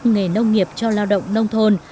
nghề nông nghiệp cho lao động nông thôn